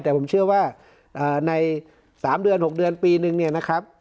แต่ผมเชื่อว่าใน๓เดือน๖เดือนปีนึงเนี่ยนะครับ